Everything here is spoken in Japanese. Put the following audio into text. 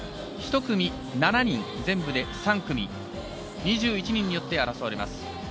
１組７人、全部で３組２１人によって争われます。